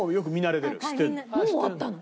もう終わったの？